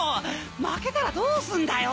負けたらどうすんだよ？